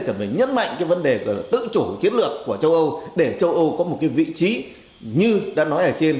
cần phải nhấn mạnh cái vấn đề tự chủ chiến lược của châu âu để châu âu có một cái vị trí như đã nói ở trên